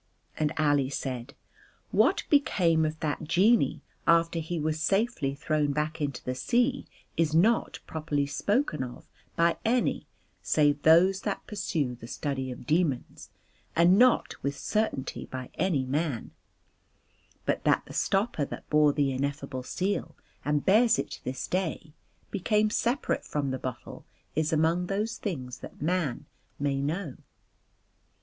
And Ali said: "What became of that genie after he was safely thrown back into the sea is not properly spoken of by any save those that pursue the study of demons and not with certainty by any man, but that the stopper that bore the ineffable seal and bears it to this day became separate from the bottle is among those things that man may know."